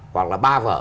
hoặc là ba vở